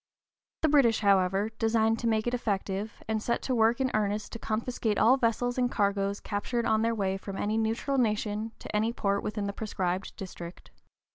The British, however, designed to make it effective, and set to work in earnest to confiscate all vessels and cargoes captured on their way from any neutral nation to any port within the proscribed district.